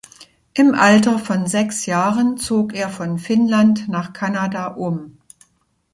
Im Alter von sechs Jahren zog er von Finnland nach Kanada um.